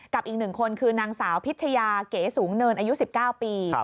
อีก๑คนคือนางสาวพิชยาเก๋สูงเนินอายุ๑๙ปี